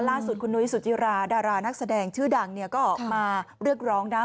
ล่าสุดคุณนุ้ยสุจิราดารานักแสดงชื่อดังเนี่ยก็ออกมาเรียกร้องนะ